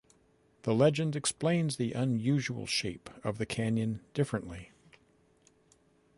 The legend explains the unusual shape of the canyon differently.